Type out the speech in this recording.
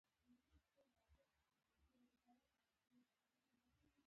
اوړه پرېږدي تر څو خمېره ښه ورسېږي او نرم شي.